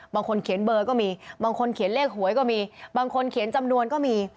บางคนเขียนเบอร์ก็มีบางคนเขียนเลขหวยก็มีบางคนเขียนจำนวนก็มี